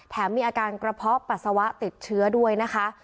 มีอาการกระเพาะปัสสาวะติดเชื้อด้วยนะคะ